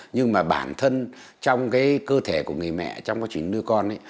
nhưng mà bản thân trong cơ thể của người mẹ trong quá trình nuôi con